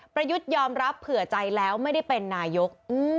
ประยุทธ์ยอมรับเผื่อใจแล้วไม่ได้เป็นนายก